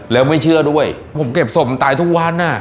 แล้วไม่เชื่อด้วยผมเก็บศพมันตายทุกวัน